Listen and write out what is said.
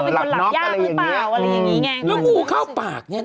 หลับน๊อปอย่างนี้แล้วงูเข้าปากเนี่ยนะ